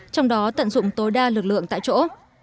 trong đó tận dụng tối đa lực lượng tại chỗ